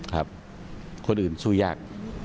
ครับคนอื่นสู้ยาก